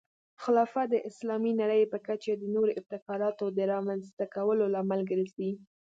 خلافت د اسلامي نړۍ په کچه د نوو ابتکاراتو د رامنځته کولو لامل ګرځي.